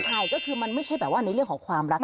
ใช่ก็คือมันไม่ใช่แบบว่าในเรื่องของความรัก